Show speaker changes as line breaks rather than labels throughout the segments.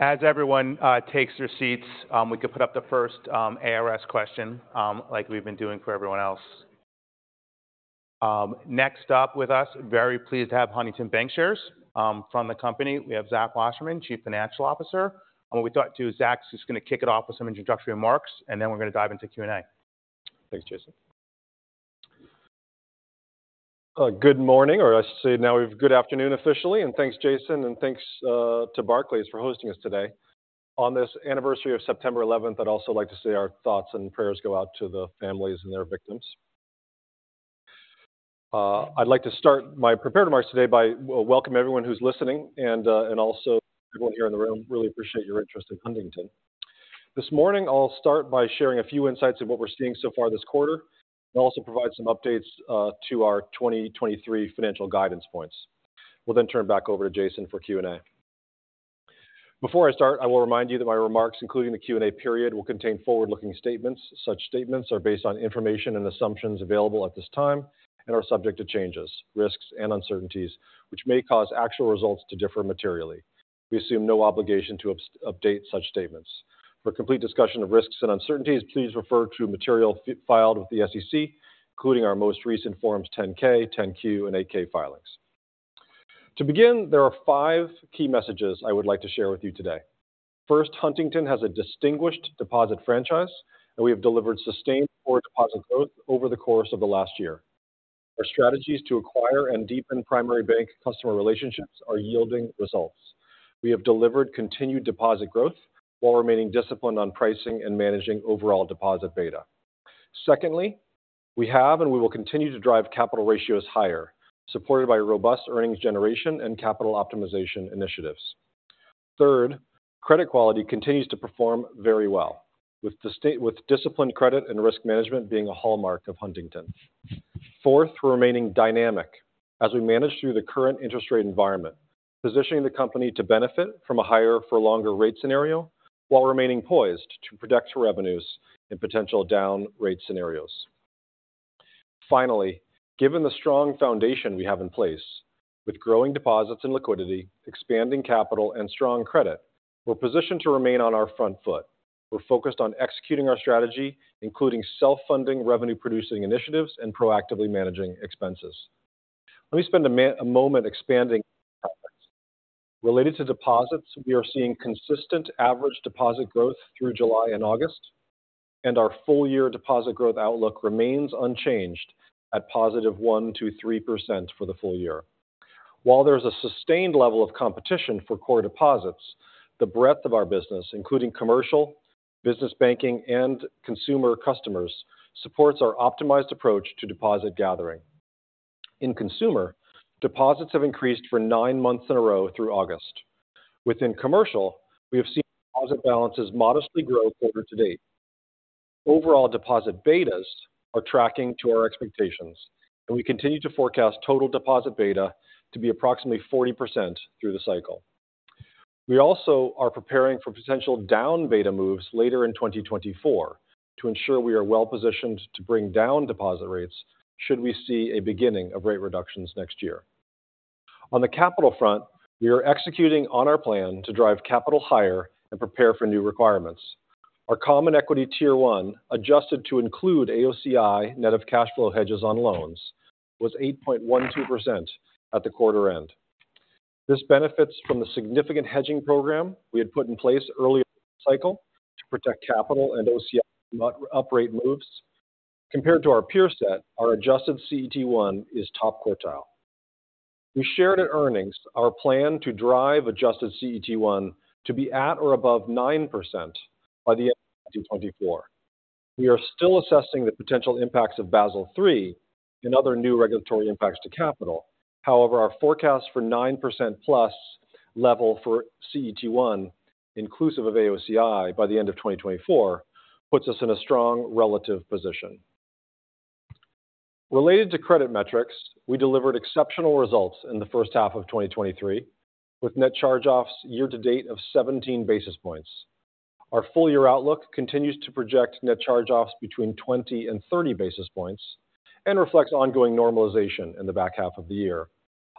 As everyone takes their seats, we could put up the first ARS question, like we've been doing for everyone else. Next up with us, very pleased to have Huntington Bancshares. From the company, we have Zach Wasserman, Chief Financial Officer. And when we talk to Zach, he's going to kick it off with some introductory remarks, and then we're going to dive into Q&A.
Thanks, Jason. Good morning, or I should say now we have good afternoon officially, and thanks, Jason, and thanks to Barclays for hosting us today. On this anniversary of September 11th, I'd also like to say our thoughts and prayers go out to the families and their victims. I'd like to start my prepared remarks today by welcoming everyone who's listening and also everyone here in the room. Really appreciate your interest in Huntington. This morning, I'll start by sharing a few insights of what we're seeing so far this quarter, and also provide some updates to our 2023 financial guidance points. We'll then turn back over to Jason for Q&A. Before I start, I will remind you that my remarks, including the Q&A period, will contain forward-looking statements. Such statements are based on information and assumptions available at this time and are subject to changes, risks, and uncertainties, which may cause actual results to differ materially. We assume no obligation to update such statements. For a complete discussion of risks and uncertainties, please refer to material filed with the SEC, including our most recent Forms 10-K, 10-Q, and 8-K filings. To begin, there are five key messages I would like to share with you today. First, Huntington has a distinguished deposit franchise, and we have delivered sustained core deposit growth over the course of the last year. Our strategies to acquire and deepen primary bank customer relationships are yielding results. We have delivered continued deposit growth while remaining disciplined on pricing and managing overall deposit beta. Secondly, we have, and we will continue to drive capital ratios higher, supported by robust earnings generation and capital optimization initiatives. Third, credit quality continues to perform very well, with disciplined credit and risk management being a hallmark of Huntington. Fourth, we're remaining dynamic as we manage through the current interest rate environment, positioning the company to benefit from a higher for longer rate scenario while remaining poised to protect revenues in potential down rate scenarios. Finally, given the strong foundation we have in place, with growing deposits and liquidity, expanding capital and strong credit, we're positioned to remain on our front foot. We're focused on executing our strategy, including self-funding, revenue-producing initiatives, and proactively managing expenses. Let me spend a moment expanding. Related to deposits, we are seeing consistent average deposit growth through July and August, and our full-year deposit growth outlook remains unchanged at positive 1%-3% for the full year. While there's a sustained level of competition for core deposits, the breadth of our business, including commercial, business banking, and consumer customers, supports our optimized approach to deposit gathering. In consumer, deposits have increased for nine months in a row through August. Within commercial, we have seen deposit balances modestly grow quarter to date. Overall deposit betas are tracking to our expectations, and we continue to forecast total deposit beta to be approximately 40% through the cycle. We also are preparing for potential down beta moves later in 2024 to ensure we are well-positioned to bring down deposit rates should we see a beginning of rate reductions next year. On the capital front, we are executing on our plan to drive capital higher and prepare for new requirements. Our Common Equity Tier 1, adjusted to include AOCI, net of cash flow hedges on loans, was 8.12% at the quarter end. This benefits from the significant hedging program we had put in place earlier cycle to protect capital and AOCI uprate moves. Compared to our peer set, our adjusted CET1 is top quartile. We shared at earnings our plan to drive adjusted CET1 to be at or above 9% by the end of 2024. We are still assessing the potential impacts of Basel III and other new regulatory impacts to capital. However, our forecast for 9%+ level for CET1, inclusive of AOCI by the end of 2024, puts us in a strong relative position. Related to credit metrics, we delivered exceptional results in the first half of 2023, with net charge-offs year-to-date of 17 basis points. Our full-year outlook continues to project net charge-offs between 20 basis points and 30 basis points and reflects ongoing normalization in the back half of the year,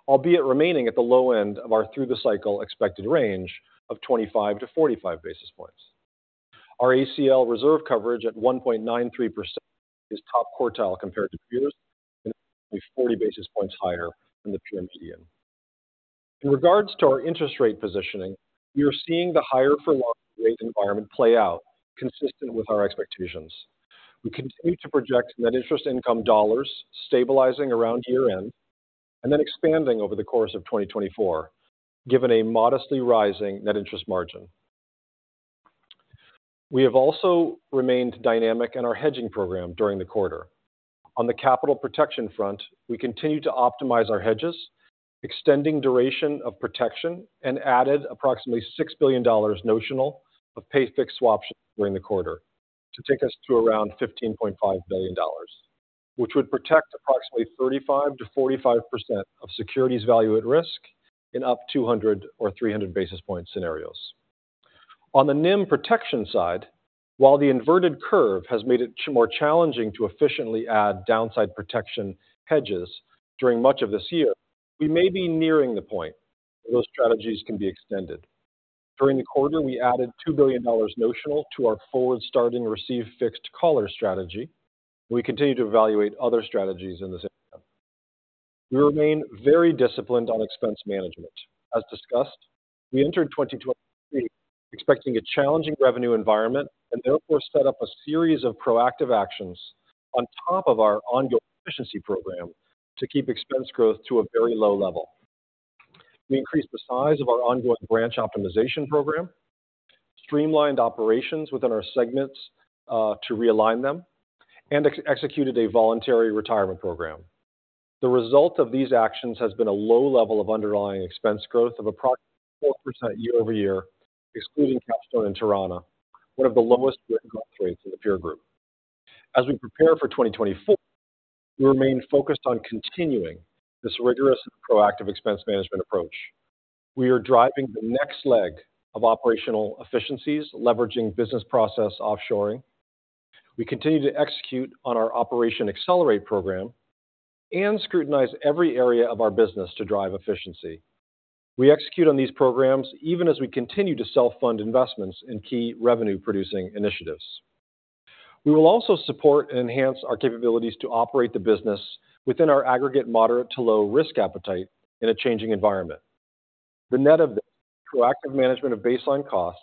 albeit remaining at the low end of our through the cycle expected range of 25 basis points-45 basis points. Our ACL reserve coverage at 1.93% is top quartile compared to peers, and 40 basis points higher than the peer median. In regards to our interest rate positioning, we are seeing the higher for longer rate environment play out consistent with our expectations. We continue to project net interest income dollars stabilizing around year-end and then expanding over the course of 2024, given a modestly rising net interest margin. We have also remained dynamic in our hedging program during the quarter. On the capital protection front, we continue to optimize our hedges, extending duration of protection, and added approximately $6 billion notional of pay-fixed swaps during the quarter to take us to around $15.5 billion, which would protect approximately 35%-45% of securities value at risk in up 200 basis points or 300 basis points scenarios. On the NIM protection side, while the inverted curve has made it more challenging to efficiently add downside protection hedges during much of this year, we may be nearing the point where those strategies can be extended. During the quarter, we added $2 billion notional to our forward starting receive fixed collar strategy. We continue to evaluate other strategies in this area. We remain very disciplined on expense management. As discussed, we entered 2023 expecting a challenging revenue environment and therefore set up a series of proactive actions on top of our ongoing efficiency program to keep expense growth to a very low level. We increased the size of our ongoing branch optimization program, streamlined operations within our segments to realign them, and executed a voluntary retirement program. The result of these actions has been a low level of underlying expense growth of approximately 4% year-over-year, excluding Capstone and Torana, one of the lowest growth rates in the peer group. As we prepare for 2024, we remain focused on continuing this rigorous proactive expense management approach. We are driving the next leg of operational efficiencies, leveraging business process offshoring. We continue to execute on our Operation Accelerate program and scrutinize every area of our business to drive efficiency. We execute on these programs even as we continue to self-fund investments in key revenue-producing initiatives. We will also support and enhance our capabilities to operate the business within our aggregate moderate to low risk appetite in a changing environment. The net of this proactive management of baseline costs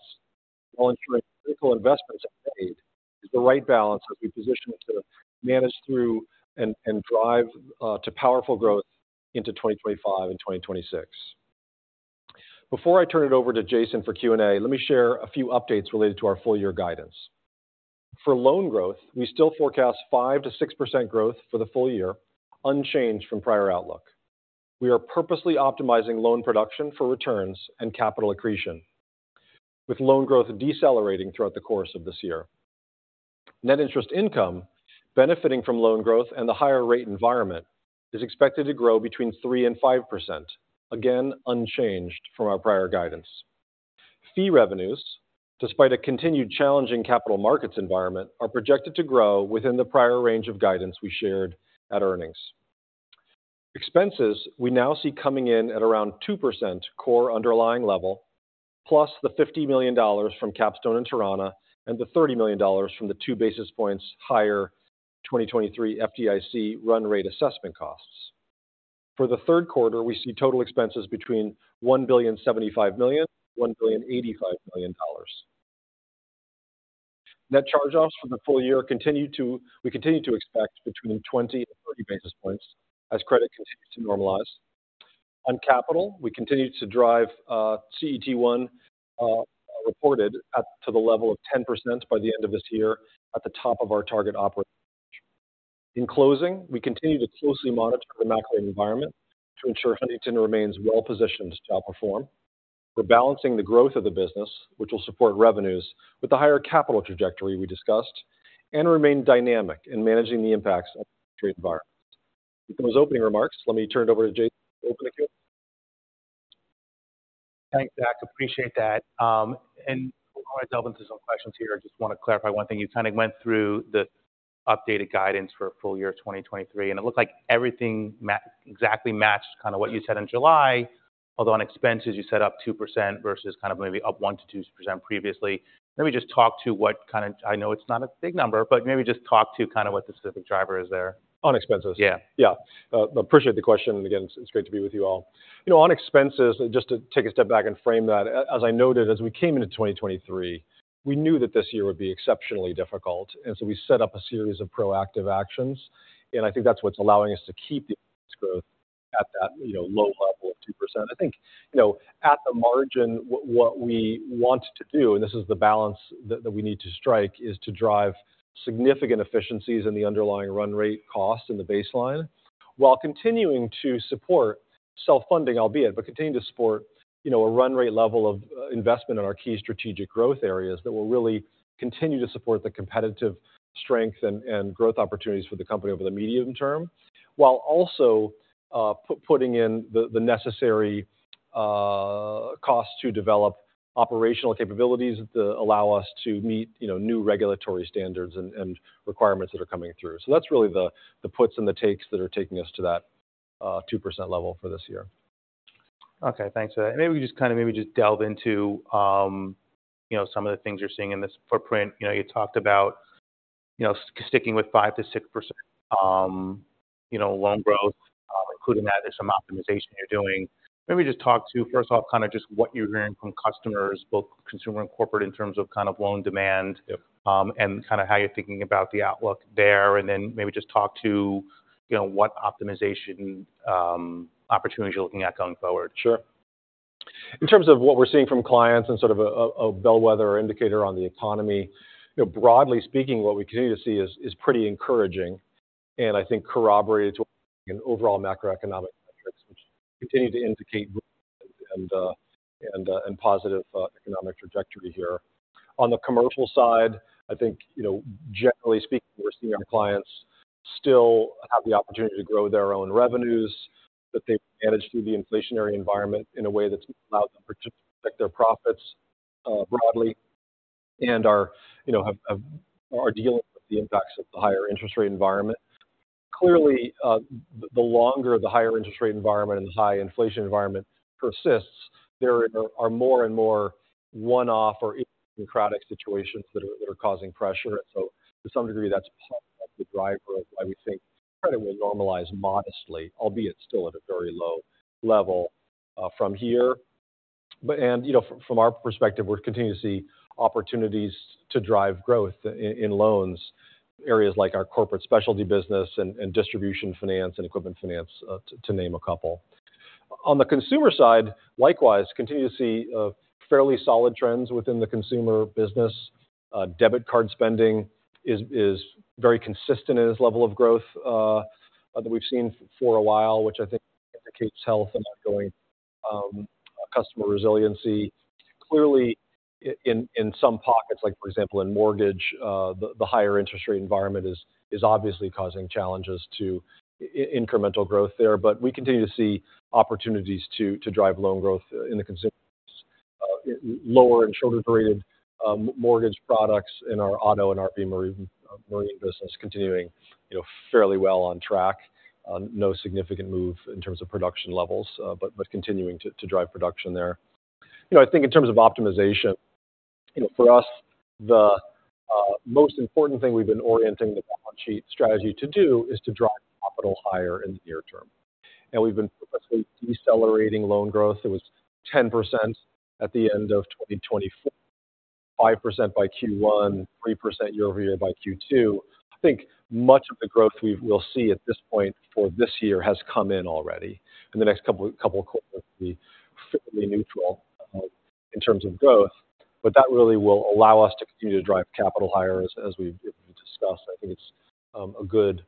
while ensuring critical investments are made, is the right balance as we position it to manage through and, and drive, to powerful growth into 2025 and 2026. Before I turn it over to Jason for Q&A, let me share a few updates related to our full year guidance. For loan growth, we still forecast 5%-6% growth for the full year, unchanged from prior outlook. We are purposely optimizing loan production for returns and capital accretion, with loan growth decelerating throughout the course of this year. Net interest income, benefiting from loan growth and the higher rate environment, is expected to grow between 3% and 5%, again, unchanged from our prior guidance. Fee revenues, despite a continued challenging capital markets environment, are projected to grow within the prior range of guidance we shared at earnings. Expenses we now see coming in at around 2% core underlying level, plus the $50 million from Capstone and Torana, and the $30 million from the 2 basis points higher 2023 FDIC run rate assessment costs. For the third quarter, we see total expenses between $1.075 billion and $1.085 billion. Net charge-offs for the full year, we continue to expect between 20 basis points and 30 basis points as credit continues to normalize. On capital, we continue to drive CET1 reported at to the level of 10% by the end of this year at the top of our target operating range. In closing, we continue to closely monitor the macro environment to ensure Huntington remains well positioned to outperform. We're balancing the growth of the business, which will support revenues, with the higher capital trajectory we discussed, and remain dynamic in managing the impacts on the environment. With those opening remarks, let me turn it over to Jason for the opening queue.
Thanks, Zach. Appreciate that. And before I delve into some questions here, I just want to clarify one thing. You kind of went through the updated guidance for full year 2023, and it looked like everything exactly matched kind of what you said in July, although on expenses, you said up 2% versus kind of maybe up 1%-2% previously. Let me just talk to what kind of... I know it's not a big number, but maybe just talk to kind of what the specific driver is there.
On expenses?
Yeah.
Yeah. Appreciate the question, and again, it's great to be with you all. You know, on expenses, just to take a step back and frame that, as I noted, as we came into 2023, we knew that this year would be exceptionally difficult, and so we set up a series of proactive actions, and I think that's what's allowing us to keep the growth at that, you know, low level of 2%. I think, you know, at the margin, what we want to do, and this is the balance that we need to strike, is to drive significant efficiencies in the underlying run rate cost in the baseline, while continuing to support self-funding, albeit, but continuing to support, you know, a run rate level of investment in our key strategic growth areas that will really continue to support the competitive strength and growth opportunities for the company over the medium term. While also putting in the necessary costs to develop operational capabilities to allow us to meet, you know, new regulatory standards and requirements that are coming through. So that's really the puts and the takes that are taking us to that 2% level for this year.
Okay, thanks for that. Maybe we just kind of delve into, you know, some of the things you're seeing in this footprint. You know, you talked about, you know, sticking with 5%-6%, you know, loan growth, including that there's some optimization you're doing. Maybe just talk to, first off, kind of just what you're hearing from customers, both consumer and corporate, in terms of kind of loan demand, and kind of how you're thinking about the outlook there, and then maybe just talk to, you know, what optimization opportunities you're looking at going forward.
Sure. In terms of what we're seeing from clients and sort of a bellwether indicator on the economy, you know, broadly speaking, what we continue to see is pretty encouraging and I think corroborated to an overall macroeconomic metrics, which continue to indicate and positive economic trajectory here. On the commercial side, I think, you know, generally speaking, we're seeing our clients still have the opportunity to grow their own revenues, that they've managed through the inflationary environment in a way that's allowed them to protect their profits, broadly. And are, you know, are dealing with the impacts of the higher interest rate environment. Clearly, the longer the higher interest rate environment and this high inflation environment persists, there are more and more one-off or idiosyncratic situations that are causing pressure. And so to some degree, that's part of the driver of why we think credit will normalize modestly, albeit still at a very low level, from here. But, you know, from our perspective, we're continuing to see opportunities to drive growth in loans, areas like our corporate specialty business and distribution finance and equipment finance, to name a couple. On the consumer side, likewise, continue to see fairly solid trends within the consumer business. Debit card spending is very consistent in its level of growth that we've seen for a while, which I think indicates health and ongoing customer resiliency. Clearly, in some pockets, like for example, in mortgage, the higher interest rate environment is obviously causing challenges to incremental growth there. But we continue to see opportunities to drive loan growth in the consumer. Lower and shorter-graded mortgage products in our auto and RV marine business continuing, you know, fairly well on track. No significant move in terms of production levels, but continuing to drive production there. You know, I think in terms of optimization, you know, for us, the most important thing we've been orienting the balance sheet strategy to do is to drive capital higher in the near term. And we've been purposely decelerating loan growth. It was 10% at the end of 2024, 5% by Q1, 3% year-over-year by Q2. I think much of the growth we'll see at this point for this year has come in already. In the next couple of quarters will be fairly neutral in terms of growth, but that really will allow us to continue to drive capital higher, as we've discussed. I think it's a good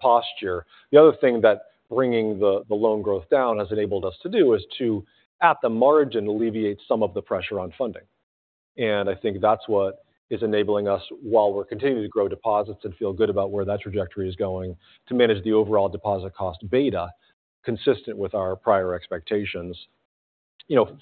posture. The other thing that bringing the loan growth down has enabled us to do is to at the margin alleviate some of the pressure on funding. And I think that's what is enabling us, while we're continuing to grow deposits and feel good about where that trajectory is going, to manage the overall deposit cost beta consistent with our prior expectations. You know,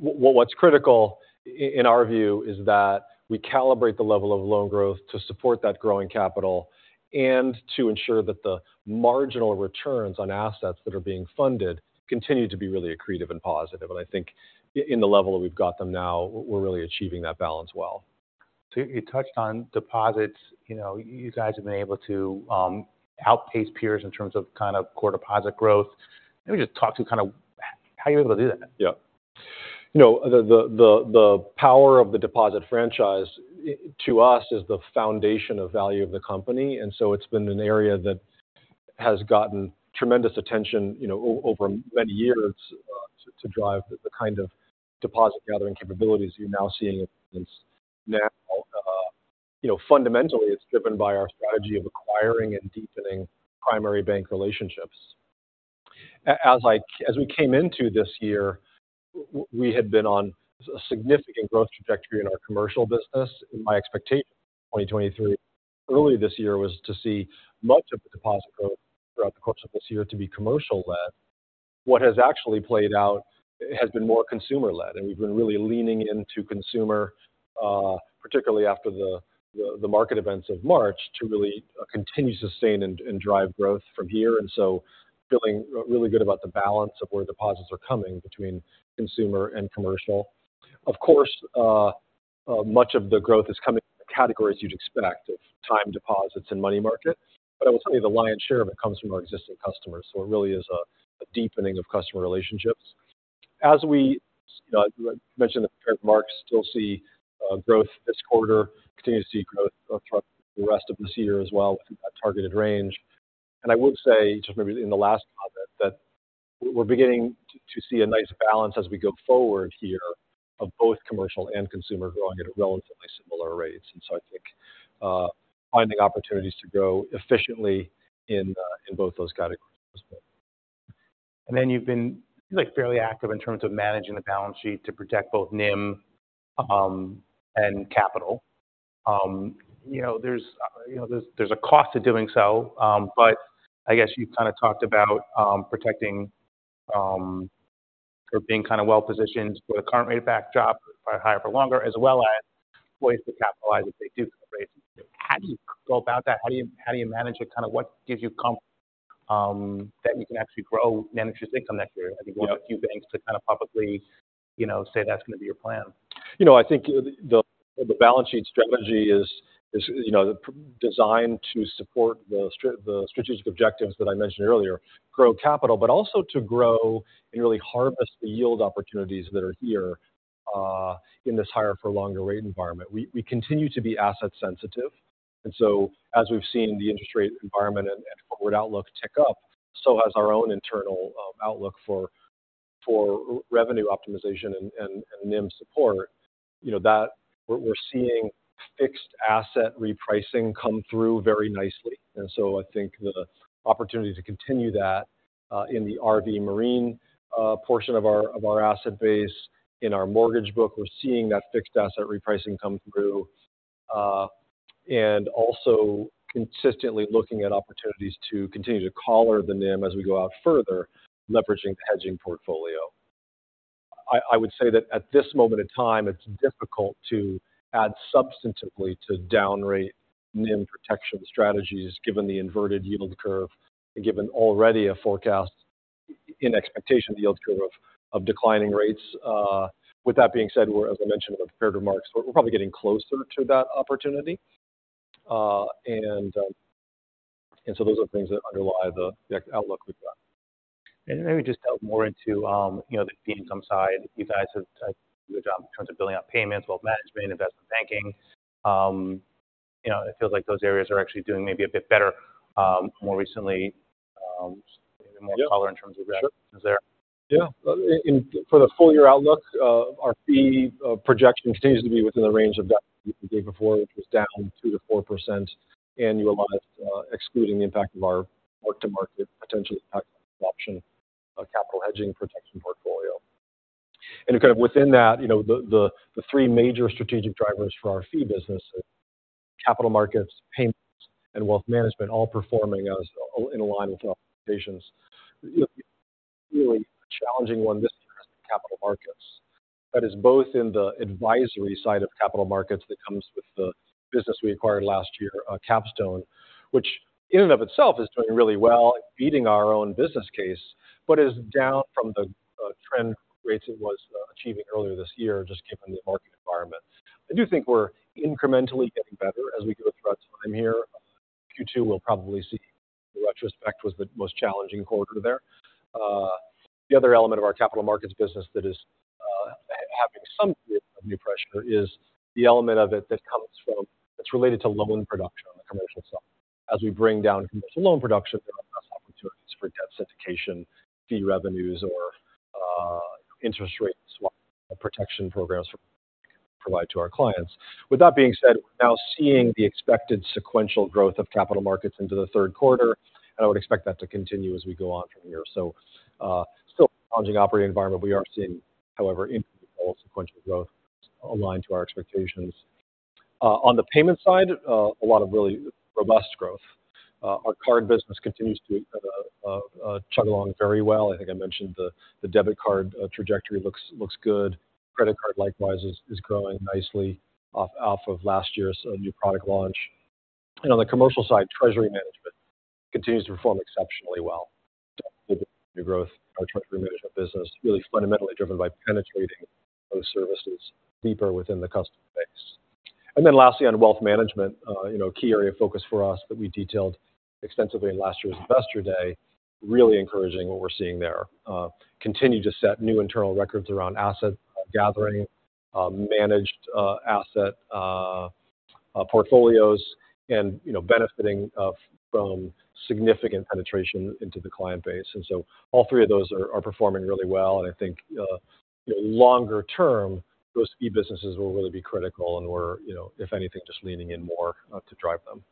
what's critical in our view is that we calibrate the level of loan growth to support that growing capital, and to ensure that the marginal returns on assets that are being funded continue to be really accretive and positive. I think in the level that we've got them now, we're really achieving that balance well.
So you touched on deposits. You know, you guys have been able to outpace peers in terms of kind of core deposit growth. Let me just talk to kind of how you're able to do that?
Yeah. You know, the power of the deposit franchise to us is the foundation of value of the company. And so it's been an area that has gotten tremendous attention, you know, over many years, to drive the kind of deposit gathering capabilities you're now seeing in place now. You know, fundamentally, it's driven by our strategy of acquiring and deepening primary bank relationships. As we came into this year, we had been on a significant growth trajectory in our commercial business. And my expectation in 2023, early this year, was to see much of the deposit growth throughout the course of this year to be commercial-led. What has actually played out has been more consumer-led, and we've been really leaning into consumer, particularly after the market events of March, to really continue to sustain and drive growth from here. And so feeling really good about the balance of where deposits are coming between consumer and commercial. Of course, much of the growth is coming in the categories you'd expect of time deposits and money market, but I will tell you, the lion's share of it comes from our existing customers. So it really is a deepening of customer relationships. As we, you know, mentioned the current mark, still see growth this quarter, continue to see growth throughout the rest of this year as well, within that targeted range. I would say, just maybe in the last comment, that we're beginning to see a nice balance as we go forward here, of both commercial and consumer growing at relatively similar rates. And so I think, finding opportunities to grow efficiently in both those categories as well.
Then you've been, like, fairly active in terms of managing the balance sheet to protect both NIM and capital. You know, there's a cost to doing so, but I guess you kind of talked about protecting or being kind of well-positioned for the current rate backdrop for higher or longer, as well as ways to capitalize if they do raise. How do you go about that? How do you manage it? Kind of what gives you confidence that you can actually grow management's income next year? I think one of the few banks to kind of publicly, you know, say that's going to be your plan.
You know, I think the balance sheet strategy is, you know, designed to support the strategic objectives that I mentioned earlier, grow capital, but also to grow and really harvest the yield opportunities that are here in this higher for longer rate environment. We continue to be asset sensitive, and so as we've seen the interest rate environment and forward outlook tick up, so has our own internal outlook for revenue optimization and NIM support. You know, we're seeing fixed asset repricing come through very nicely. And so I think the opportunity to continue that in the RV marine portion of our asset base. In our mortgage book, we're seeing that fixed asset repricing come through. And also consistently looking at opportunities to continue to collar the NIM as we go out further, leveraging the hedging portfolio. I would say that at this moment in time, it's difficult to add substantively to downrate NIM protection strategies, given the inverted yield curve and given already a forecast in expectation of the yield curve of declining rates. With that being said, as I mentioned in the prepared remarks, we're probably getting closer to that opportunity. And so those are things that underlie the outlook we've got.
Maybe just dive more into, you know, the fee income side. You guys have done a good job in terms of building out payments, wealth management, investment banking. You know, it feels like those areas are actually doing maybe a bit better, more recently, more color in terms of revenues there.
Yeah. In for the full year outlook, our fee projection continues to be within the range that we gave before, which was down 2%-4% annualized, excluding the impact of our mark-to-market, potentially impact option, capital hedging protection portfolio. And kind of within that, you know, the three major strategic drivers for our fee business, capital markets, payments, and wealth management, all performing as in line with our expectations. You know, really challenging one this year has been capital markets. That is both in the advisory side of capital markets that comes with the business we acquired last year, Capstone, which in and of itself is doing really well, beating our own business case, but is down from the trend rates it was achieving earlier this year, just given the market environment. I do think we're incrementally getting better as we go throughout time here. Q2 will probably see the retrospect was the most challenging quarter there. The other element of our capital markets business that is having some bit of new pressure is the element of it that comes from... It's related to loan production on the commercial side. As we bring down commercial loan production, there are less opportunities for debt syndication, fee revenues, or interest rate swap protection programs provide to our clients. With that being said, we're now seeing the expected sequential growth of capital markets into the third quarter, and I would expect that to continue as we go on from here. So, still challenging operating environment. We are seeing, however, improved overall sequential growth aligned to our expectations. On the payment side, a lot of really robust growth. Our card business continues to chug along very well. I think I mentioned the debit card trajectory looks good. Credit card, likewise, is growing nicely off of last year's new product launch. And on the commercial side, treasury management continues to perform exceptionally well. The growth in our treasury management business really fundamentally driven by penetrating those services deeper within the customer base. And then lastly, on wealth management, you know, key area of focus for us that we detailed extensively in last year's Investor Day, really encouraging what we're seeing there. Continue to set new internal records around asset gathering, managed asset portfolios, and, you know, benefiting from significant penetration into the client base. And so all three of those are performing really well. I think, longer term, those key businesses will really be critical and we're, you know, if anything, just leaning in more, to drive them.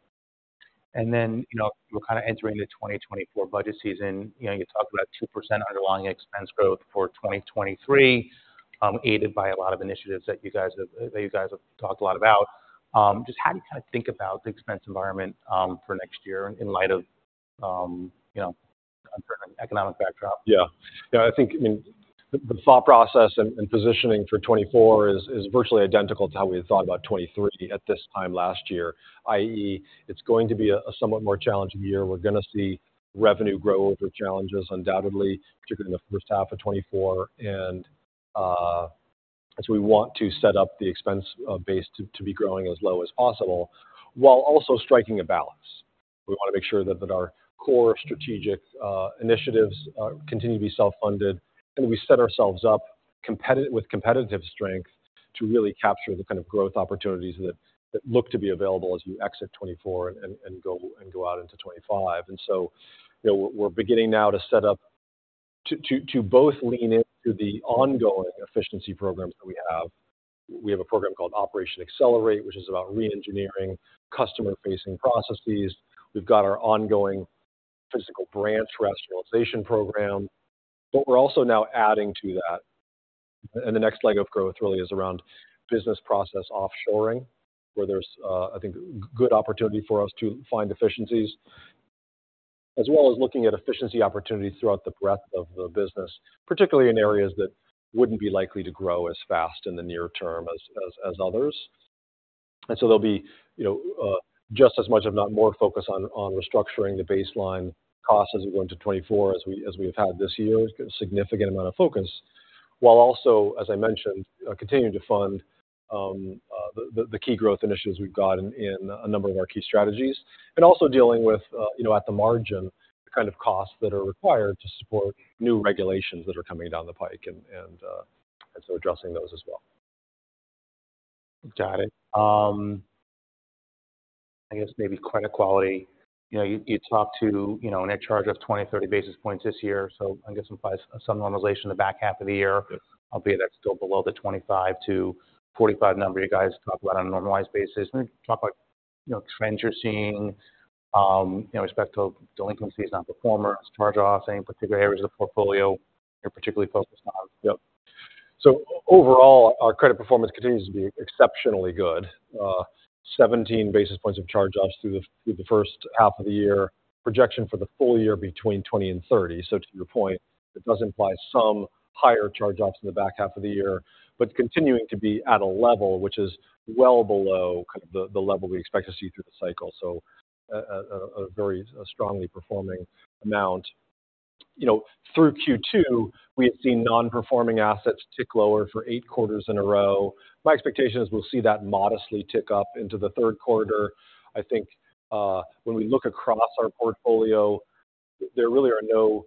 And then, you know, we're kind of entering the 2024 budget season. You know, you talked about 2% underlying expense growth for 2023, aided by a lot of initiatives that you guys have, that you guys have talked a lot about. Just how do you kind of think about the expense environment, for next year in light of, you know, economic backdrop?
Yeah. Yeah, I think, I mean, the thought process and positioning for 2024 is virtually identical to how we had thought about 2023 at this time last year. i.e., it's going to be a somewhat more challenging year. We're going to see revenue growth with challenges, undoubtedly, particularly in the first half of 2024. And as we want to set up the expense base to be growing as low as possible while also striking a balance. We want to make sure that our core strategic initiatives continue to be self-funded, and we set ourselves up competitive with competitive strength to really capture the kind of growth opportunities that look to be available as we exit 2024 and go out into 2025. And so you know, we're beginning now to set up to both lean into the ongoing efficiency programs that we have. We have a program called Operation Accelerate, which is about reengineering customer-facing processes. We've got our ongoing physical branch rationalization program, but we're also now adding to that. And the next leg of growth really is around business process offshoring, where there's, I think, good opportunity for us to find efficiencies, as well as looking at efficiency opportunities throughout the breadth of the business, particularly in areas that wouldn't be likely to grow as fast in the near term as others. And so there'll be, you know, just as much, if not more, focus on restructuring the baseline costs as we go into 2024, as we've had this year, a significant amount of focus, while also, as I mentioned, continuing to fund the key growth initiatives we've got in a number of our key strategies. And also dealing with, you know, at the margin, the kind of costs that are required to support new regulations that are coming down the pike, and so addressing those as well.
Got it. I guess maybe credit quality. You know, you talked to, you know, net charge of 20 basis points-30 basis points this year, so I guess some normalization in the back half of the year.
Yes.
Albeit, that's still below the 25-45 number you guys talk about on a normalized basis. Can you talk about, you know, trends you're seeing, you know, with respect to delinquencies, non-performers, charge-offs, any particular areas of the portfolio you're particularly focused on?
Yep. So overall, our credit performance continues to be exceptionally good. 17 basis points of charge-offs through the first half of the year. Projection for the full year between 2020 and 2030. So to your point, it does imply some higher charge-offs in the back half of the year, but continuing to be at a level which is well below kind of the level we expect to see through the cycle. So a very strongly performing amount. You know, through Q2, we had seen non-performing assets tick lower for eight quarters in a row. My expectation is we'll see that modestly tick up into the third quarter. I think, when we look across our portfolio, there really are no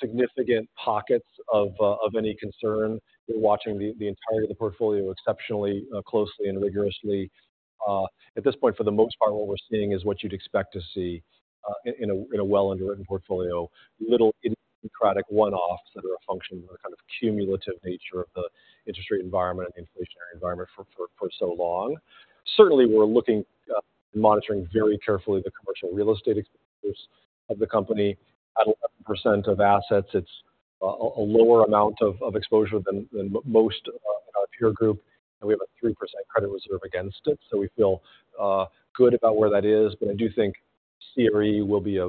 significant pockets of any concern. We're watching the entirety of the portfolio exceptionally closely and rigorously. At this point, for the most part, what we're seeing is what you'd expect to see in a well-underwritten portfolio. Little idiosyncratic one-offs that are a function of the kind of cumulative nature of the interest rate environment and the inflationary environment for so long. Certainly, we're looking and monitoring very carefully the Commercial Real Estate exposures of the company. At 11% of assets, it's a lower amount of exposure than most of our peer group, and we have a 3% credit reserve against it, so we feel good about where that is. But I do think CRE will be a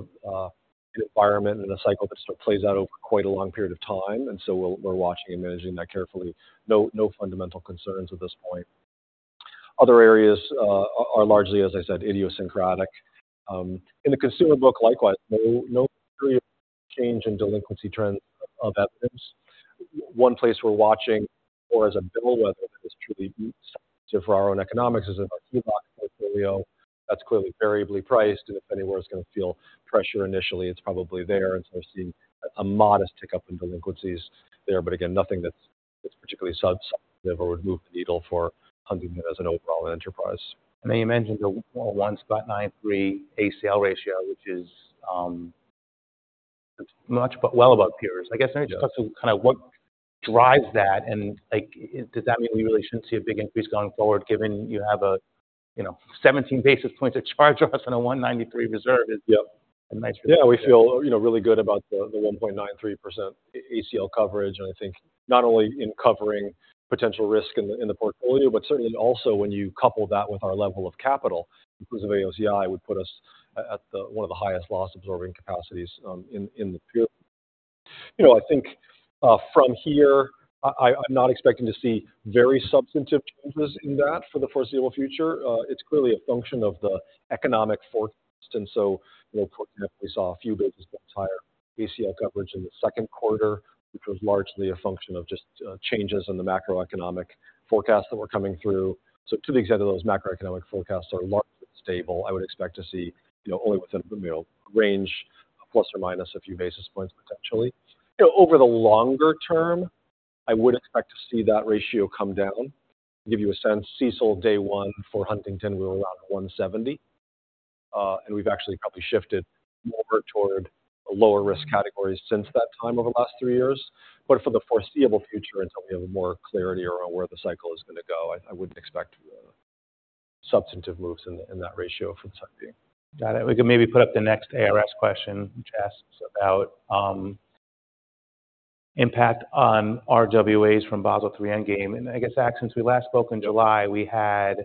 good environment and a cycle that still plays out over quite a long period of time, and so we're watching and managing that carefully. No fundamental concerns at this point. Other areas are largely, as I said, idiosyncratic. In the consumer book, likewise, no material change in delinquency trends of that business. One place we're watching more as a bellwether that is truly substantive for our own economics is in our TLAC portfolio. That's clearly variably priced, and if anywhere it's going to feel pressure initially, it's probably there. And so we're seeing a modest tick-up in delinquencies there. But again, nothing that's particularly substantive or would move the needle for Huntington as an overall enterprise.
I know you mentioned the 1.93 ACL ratio, which is much, but well above peers. I guess maybe just talk through kind of what drives that, and, like, does that mean we really shouldn't see a big increase going forward, given you have a, you know, 17 basis points of charge-offs on a 1.93 reserve is-
Yep.
A nice-
Yeah, we feel, you know, really good about the one point nine three percent ACL coverage. And I think not only in covering potential risk in the portfolio, but certainly also when you couple that with our level of capital, inclusive of AOCI, would put us at the one of the highest loss-absorbing capacities in the period. You know, I think from here, I'm not expecting to see very substantive changes in that for the foreseeable future. It's clearly a function of the economic forecast, and so, you know, we saw a few basis points higher ACL coverage in the second quarter, which was largely a function of just changes in the macroeconomic forecast that were coming through. So to the extent that those macroeconomic forecasts are largely stable, I would expect to see, you know, only within the middle range, plus or minus a few basis points potentially. You know, over the longer term, I would expect to see that ratio come down. To give you a sense, CECL day one for Huntington were around 170, and we've actually probably shifted more toward a lower risk category since that time, over the last three years. But for the foreseeable future, until we have more clarity around where the cycle is going to go, I wouldn't expect substantive moves in that ratio from this point.
Got it. We could maybe put up the next ARS question, which asks about impact on RWAs from Basel III Endgame. And I guess, Zach, since we last spoke in July, we had,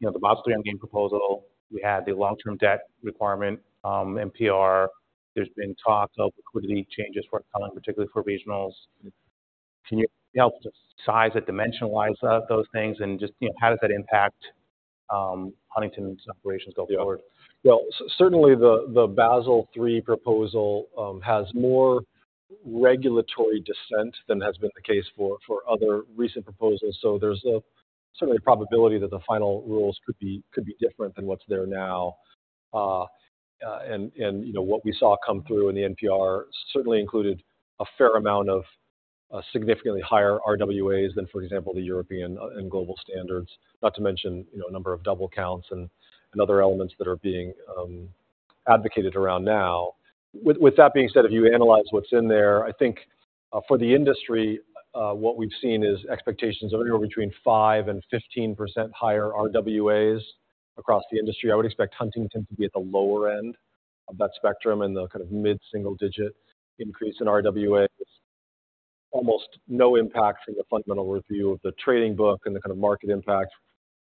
you know, the Basel III Endgame proposal, we had the long-term debt requirement NPR. There's been talks of liquidity changes for coming, particularly for regionals. Can you help to size it, dimensionalize those things, and just, you know, how does that impact Huntington's operations going forward?
Well, certainly the Basel III proposal has more regulatory dissent than has been the case for other recent proposals. So there's a certain probability that the final rules could be different than what's there now. And you know, what we saw come through in the NPR certainly included a fair amount of significantly higher RWAs than, for example, the European and global standards. Not to mention, you know, a number of double counts and other elements that are being advocated around now. With that being said, if you analyze what's in there, I think, for the industry, what we've seen is expectations of anywhere between 5% and 15% higher RWAs across the industry. I would expect Huntington to be at the lower end of that spectrum and the kind of mid-single-digit increase in RWAs. Almost no impact from the fundamental review of the trading book and the kind of market impact,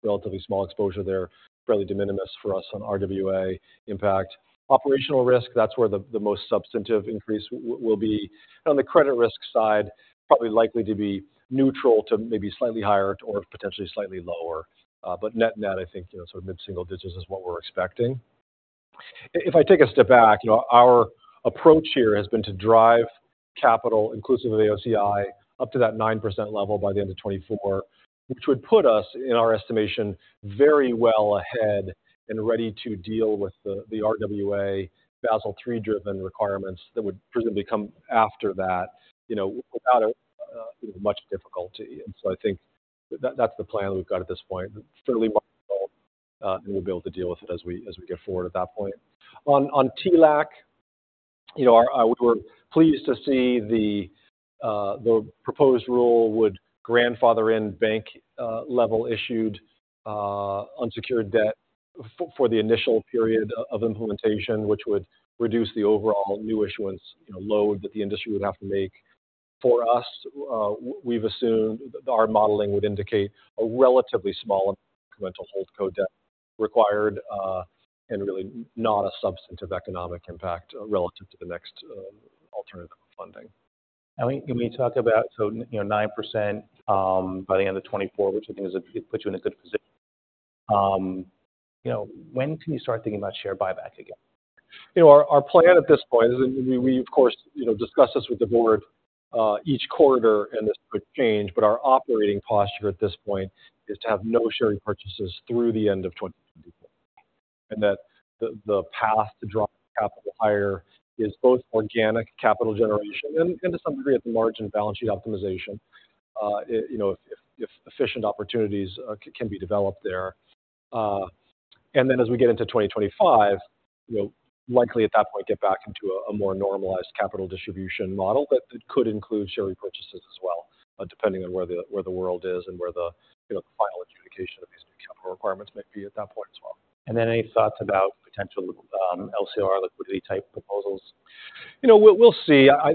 relatively small exposure there, fairly de minimis for us on RWA impact. Operational risk, that's where the most substantive increase will be. On the credit risk side, probably likely to be neutral to maybe slightly higher or potentially slightly lower. But net-net, I think, you know, sort of mid-single digits is what we're expecting. If I take a step back, you know, our approach here has been to drive capital, inclusive of AOCI, up to that 9% level by the end of 2024. Which would put us, in our estimation, very well ahead and ready to deal with the RWA Basel III driven requirements that would presumably come after that, you know, without much difficulty. And so I think that's the plan we've got at this point. Certainly, well, and we'll be able to deal with it as we go forward at that point. On TLAC. You know, we were pleased to see the proposed rule would grandfather in bank level issued unsecured debt for the initial period of implementation, which would reduce the overall new issuance, you know, load that the industry would have to make. For us, we've assumed our modeling would indicate a relatively small incremental holdco debt required, and really not a substantive economic impact relative to the next alternative funding.
When you talk about, so you know, 9% by the end of 2024, which I think is, it puts you in a good position. You know, when can you start thinking about share buybacks again?
You know, our plan at this point is, and we, of course, you know, discuss this with the board each quarter, and this could change, but our operating posture at this point is to have no share repurchases through the end of 2024. And that the path to drive capital higher is both organic capital generation and to some degree, at the margin balance sheet optimization. You know, if efficient opportunities can be developed there. And then as we get into 2025, you know, likely at that point, get back into a more normalized capital distribution model that could include share repurchases as well, depending on where the world is and where the, you know, the final adjudication of these new capital requirements might be at that point as well.
And then any thoughts about potential, LCR liquidity-type proposals?
You know, we'll, we'll see. I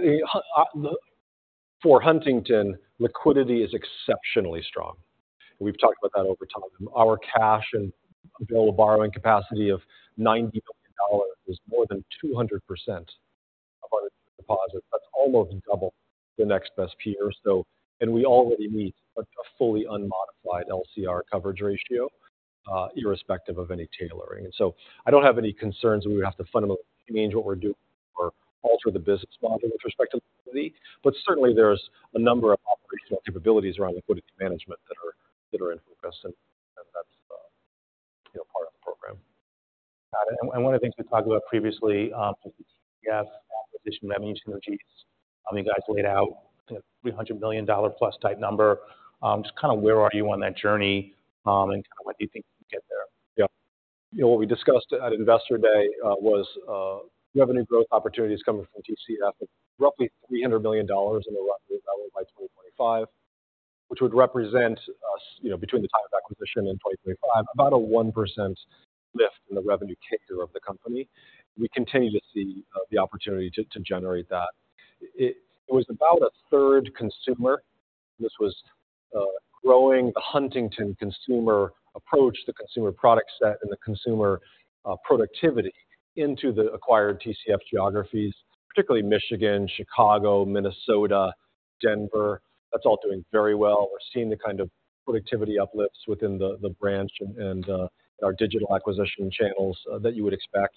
for Huntington, liquidity is exceptionally strong. We've talked about that over time. Our cash and available borrowing capacity of $90 billion is more than 200% of our deposit. That's almost double the next best peer. So... And we already meet a fully unmodified LCR coverage ratio, irrespective of any tailoring. And so I don't have any concerns that we would have to fundamentally change what we're doing or alter the business model with respect to liquidity. But certainly, there's a number of operational capabilities around liquidity management that are in focus, and that's, you know, part of the program.
Got it. And one of the things we talked about previously, TCF acquisition of revenue synergies. You guys laid out a $300 million plus type number. Just kind of where are you on that journey, and kind of what do you think you get there?
Yeah. You know, what we discussed at Investor Day was revenue growth opportunities coming from TCF of roughly $300 million in the roughly by 2025, which would represent us, you know, between the time of acquisition in 2025, about a 1% lift in the revenue character of the company. We continue to see the opportunity to generate that. It was about a third consumer. This was growing the Huntington consumer approach, the consumer product set, and the consumer productivity into the acquired TCF geographies, particularly Michigan, Chicago, Minnesota, Denver. That's all doing very well. We're seeing the kind of productivity uplifts within the branch and our digital acquisition channels that you would expect.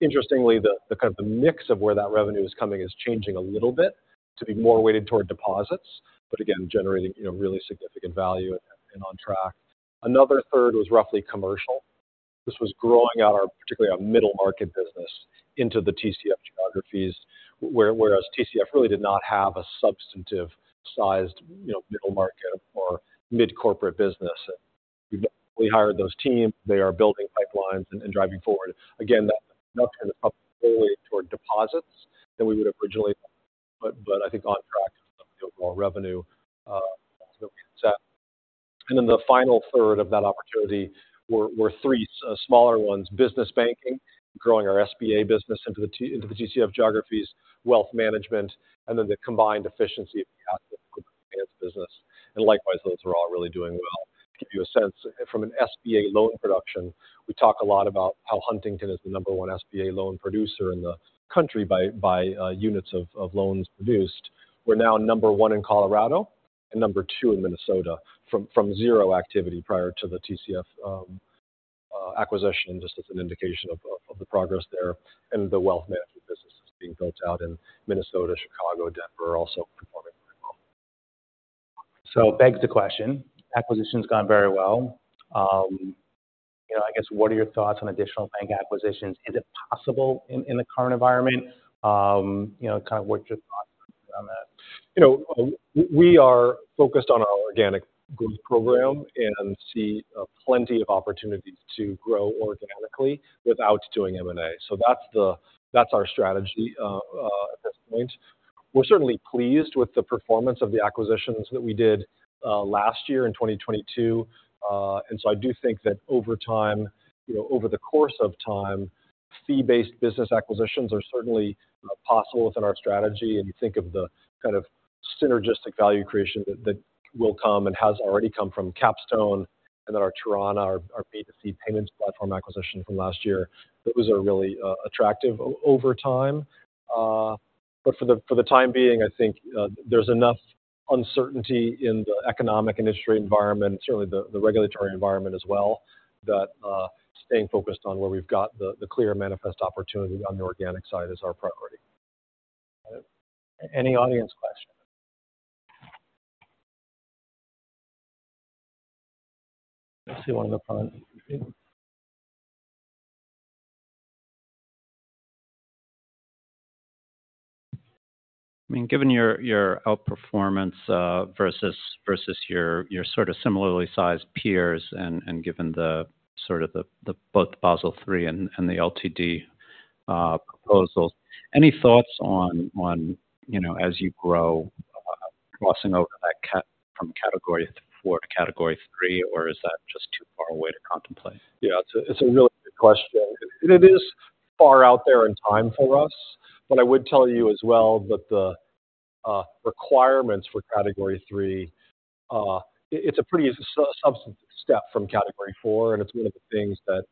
Interestingly, the kind of mix of where that revenue is coming is changing a little bit to be more weighted toward deposits, but again, generating, you know, really significant value and on track. Another third was roughly commercial. This was growing out our, particularly our middle market business into the TCF geographies, whereas TCF really did not have a substantive sized, you know, middle market or mid-corporate business. We've hired those teams. They are building pipelines and driving forward. Again, that kind of up fully toward deposits than we would originally, but I think on track with the overall revenue that we had set. And then the final third of that opportunity were three smaller ones: business banking, growing our SBA business into the TCF geographies, wealth management, and then the combined efficiency of the asset management business. And likewise, those are all really doing well. To give you a sense from an SBA loan production, we talk a lot about how Huntington is the number one SBA loan producer in the country by units of loans produced. We're now number one in Colorado and number two in Minnesota, from zero activity prior to the TCF acquisition, just as an indication of the progress there. And the wealth management business is being built out in Minnesota, Chicago, Denver, are also performing very well.
So it begs the question, acquisition's gone very well. You know, I guess what are your thoughts on additional bank acquisitions? Is it possible in the current environment? You know, kind of what's your thought on that?
You know, we are focused on our organic growth program and see plenty of opportunities to grow organically without doing M&A. So that's our strategy at this point. We're certainly pleased with the performance of the acquisitions that we did last year in 2022. And so I do think that over time, you know, over the course of time, fee-based business acquisitions are certainly possible within our strategy. And you think of the kind of synergistic value creation that will come and has already come from Capstone and then our Torana, our B2C payments platform acquisition from last year. Those are really attractive over time. But for the time being, I think, there's enough uncertainty in the economic industry environment, certainly the regulatory environment as well, that staying focused on where we've got the clear manifest opportunity on the organic side is our priority.
Any audience questions? I see one in the front here.
I mean, given your outperformance versus your sort of similarly sized peers and given the sort of both Basel III and the LTD proposals, any thoughts on, you know, as you grow, crossing over that from Category four to Category three, or is that just too far away to contemplate?
Yeah, it's a really good question. It is far out there in time for us, but I would tell you as well that the requirements for Category three, it's a pretty substantive step from Category four, and it's one of the things that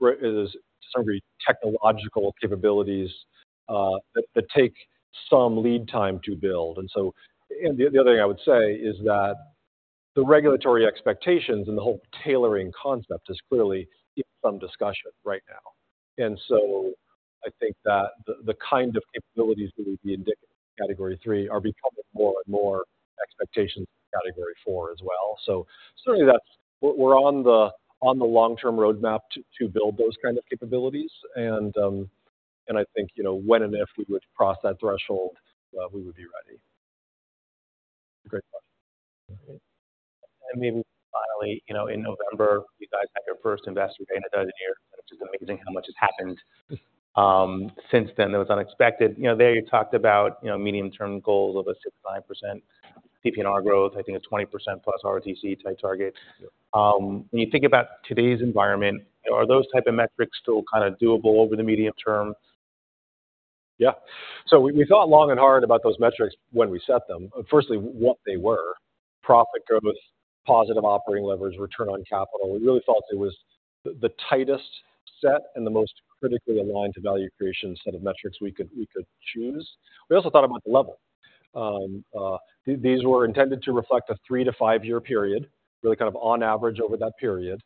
requires some technological capabilities that take some lead time to build. And the other thing I would say is that the regulatory expectations and the whole tailoring concept is clearly in some discussion right now. And so I think that the kind of capabilities that would be indicated in Category three are becoming more and more expectations in Category four as well. So certainly that's we're on the long-term roadmap to build those kind of capabilities. And I think, you know, when and if we would cross that threshold, we would be ready. Great question.
And then finally, you know, in November, you guys had your first investor day in 12 years, which is amazing how much has happened since then, that was unexpected. You know, there you talked about, you know, medium-term goals of a 6%-9% PPNR growth. I think a 20%+ ROTCE type target. When you think about today's environment, are those type of metrics still kind of doable over the medium term?
Yeah. So we thought long and hard about those metrics when we set them. Firstly, what they were: profit growth, positive operating leverage, return on capital. We really thought it was the tightest set and the most critically aligned to value creation set of metrics we could choose. We also thought about the level. These were intended to reflect a three to five year period, really kind of on average over that period.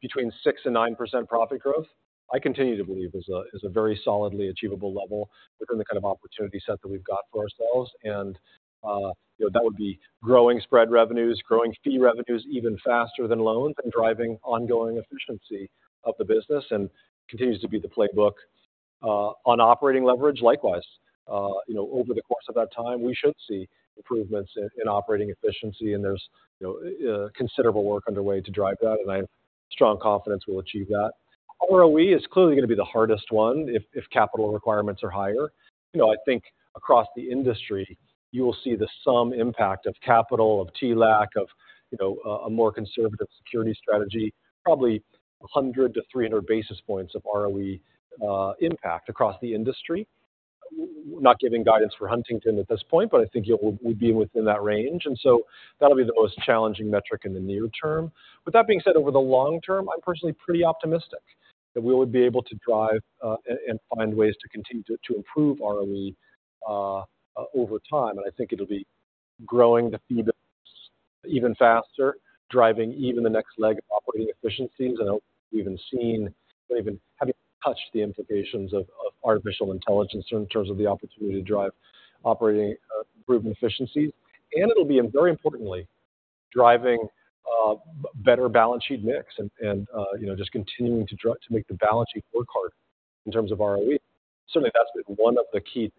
Between 6% and 9% profit growth, I continue to believe is a very solidly achievable level within the kind of opportunity set that we've got for ourselves. And, you know, that would be growing spread revenues, growing fee revenues even faster than loans, and driving ongoing efficiency of the business, and continues to be the playbook. On operating leverage, likewise, you know, over the course of that time, we should see improvements in operating efficiency, and there's, you know, considerable work underway to drive that, and I have strong confidence we'll achieve that. ROE is clearly going to be the hardest one, if capital requirements are higher. You know, I think across the industry, you will see some impact of capital, of TLAC, of, you know, a more conservative security strategy, probably 100 basis points-300 basis points of ROE impact across the industry. Not giving guidance for Huntington at this point, but I think it will be within that range, and so that'll be the most challenging metric in the near term. With that being said, over the long term, I'm personally pretty optimistic that we would be able to drive and find ways to continue to improve ROE over time. And I think it'll be growing the fee base even faster, driving even the next leg of operating efficiencies, and I don't think we've even seen or even having touched the implications of artificial intelligence in terms of the opportunity to drive operating improved efficiencies. And it'll be and very importantly, driving better balance sheet mix and, you know, just continuing to make the balance sheet work hard in terms of ROE. Certainly, that's been one of the key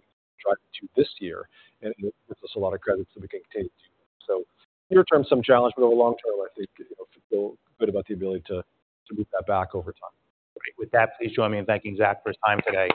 drivers to this year, and it gives us a lot of credit so we can continue to. So, near term, some challenge, but over the long term, I think, you know, feel good about the ability to, to move that back over time.
With that, please join me in thanking Zach for his time today.